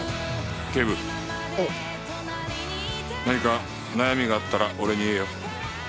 何か悩みがあったら俺に言えよ。